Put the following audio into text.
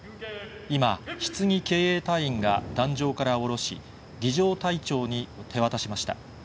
今、ひつぎ警衛隊員が壇上から降ろし、儀じょう隊長に手渡しました。